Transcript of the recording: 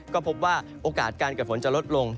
ก็พบว่าโอกาสการเกิดฝนจะลดลง